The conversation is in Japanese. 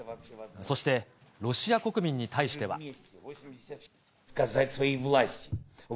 そして、ロシア国民に対しては。